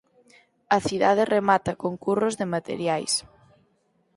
A cidade remata con curros de materiais.